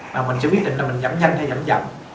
mà mình sẽ quyết định là mình giảm nhanh hay giảm dần